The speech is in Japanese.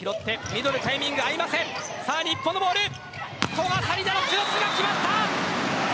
古賀紗理那のブロックが決まった。